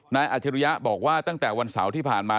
อาจริยะบอกว่าตั้งแต่วันเสาร์ที่ผ่านมา